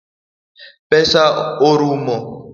Pesa orumo.